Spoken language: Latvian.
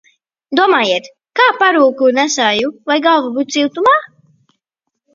Domājiet, ka parūku nēsāju, lai galva būtu siltumā?